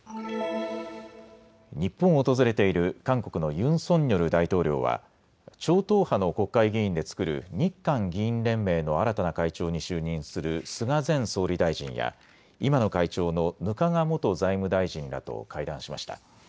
日本を訪れている韓国のユン・ソンニョル大統領は超党派の国会議員で作る日韓議員連盟の新たな会長に就任する菅前総理大臣や今の会長の額賀元財務大臣らと会談しました。